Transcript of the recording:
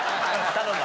頼んだ。